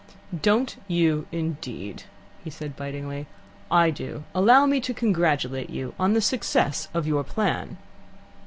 "Don't you indeed?" he said bitingly. "I do. Allow me to congratulate you on the success of your plan."